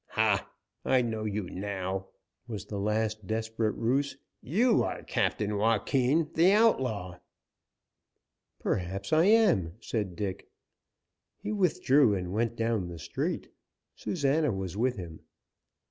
"Ha! I know you now!" was the last desperate ruse. "You are Captain Joaquin, the outlaw!" "Perhaps I am," said Dick. He withdrew, and went down the street. Susana was with him.